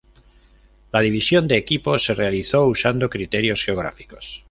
La división de equipos se realizó usando criterios geográficos.